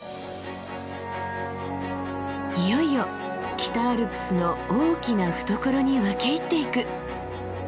いよいよ北アルプスの大きな懐に分け入っていく。